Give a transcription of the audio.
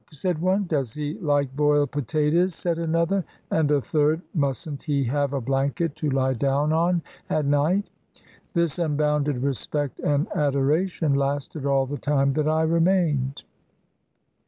said one, 'Does he like boiled potatoes?' said another. And a third, 'Must n't he have a blanket to lie down on at night?' This unbounded respect and adoration lasted all the time that I remained.